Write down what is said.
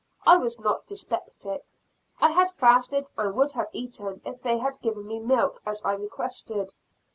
(I was not dyspeptic; I had fasted and would have eaten if they had given me milk, as I requested.)